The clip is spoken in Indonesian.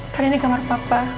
kan ini kamar papa